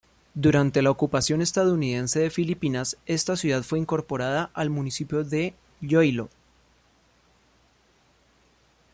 Durante la ocupación estadounidense de Filipinas esta ciudad fue incorporada al municipio de Iloílo.